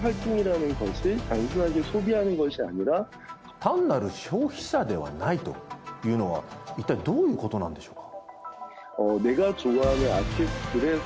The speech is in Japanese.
単なる消費者ではないというのはいったいどういうことなんでしょうか。